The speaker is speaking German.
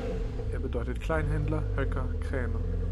Er bedeutet Kleinhändler, Höcker, Krämer.